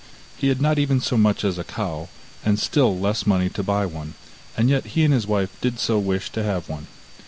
He had not even so much as a cow, and still less money to buy one, and yet he and his wife did so wish to have one.